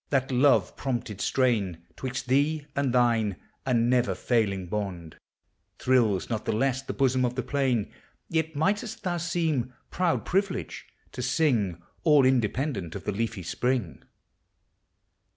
— that love prompted strain, 'Twixt thee and thine a never failing bond, Thrills not the less the bosom of the plain; Yet mightst thou seem, proud privilege ! to sing All independent of the leafy spring.